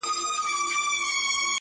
نه ستا زوی سي تر قیامته هېرېدلای،،!